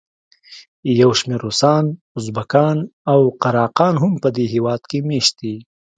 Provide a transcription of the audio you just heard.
یو شمېر روسان، ازبکان او قراقان هم په دې هېواد کې مېشت دي.